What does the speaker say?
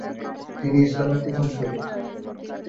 তিনিই ইসলামের প্রথম শহীদ।